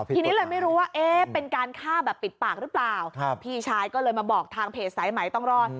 ทีนี้เลยไม่รู้ว่าเอ๊ะเป็นการฆ่าแบบปิดปากหรือเปล่าพี่ชายก็เลยมาบอกทางเพจสายใหม่ต้องรอด